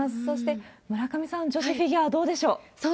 そして、村上さん、女子フィギュア、どうでしょう？